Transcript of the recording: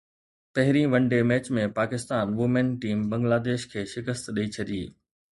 پهرين one day match ۾ Pakistan women team Bangladesh کي شڪست ڏئي ڇڏي